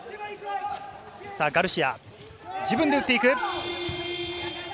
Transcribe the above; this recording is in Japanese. ガルシア、自分で打っていく。